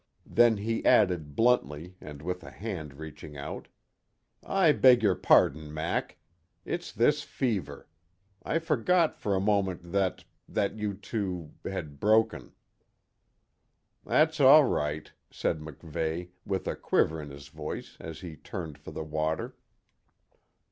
Then he added, bluntly, and with a hand reaching out: "I beg your pardon, Mac. It's this fever. I forgot for a moment that that you two had broken." "That's all right," said MacVeigh, with a quiver in his voice, as he turned for the water.